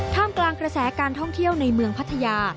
กลางกระแสการท่องเที่ยวในเมืองพัทยา